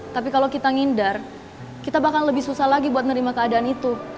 tapi kalau kita ngindar kita bahkan lebih susah lagi buat nerima keadaan itu